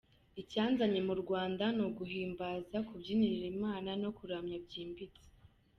Icyanzanye mu Rwanda ni uguhimbaza, kubyinira Imana no kuramya byimbitse.